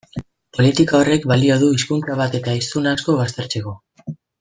Politika horrek balio du hizkuntza bat eta hiztun asko baztertzeko.